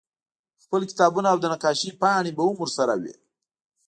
خپل کتابونه او د نقاشۍ پاڼې به هم ورسره وې